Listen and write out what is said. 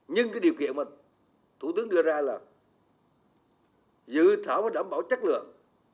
nhưng cái điều kiện mà thủ tướng đưa ra là giữ thảo và đảm bảo chất lượng